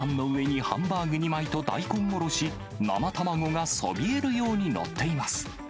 ごはんの上にハンバーグ２枚と大根おろし、生卵がそびえるように載っています。